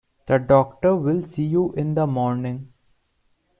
The doctor will see you in the morning.